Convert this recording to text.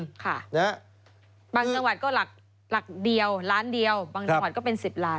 บางจังหวัดก็หลักเดียวล้านเดียวบางจังหวัดก็เป็น๑๐ล้าน